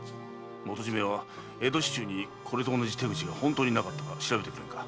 元締は江戸市中にこれと同じ手口が本当になかったか調べてくれんか？